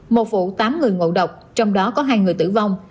một vụ tám người ngộ độc trong đó có hai người tử vong